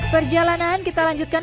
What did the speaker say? perjalanan kita lanjutkan